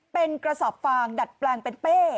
เป็นกระสอบฟางดัดแปลงเป็นเป้